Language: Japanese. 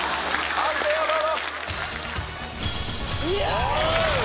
判定をどうぞ！